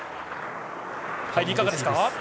入り、いかがですか？